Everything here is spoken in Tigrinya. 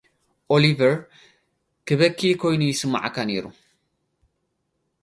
ኦሊቨር ክበኪ ኮይኑ ይስመዓካ ነይሩ።